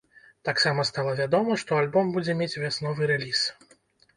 Таксама стала вядома, што альбом будзе мець вясновы рэліз.